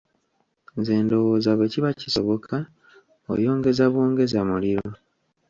Nze ndowooza bwe kiba kisoboka oyongeza bwongeza muliro.